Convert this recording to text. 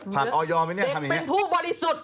เป็นผู้บริสุทธิ์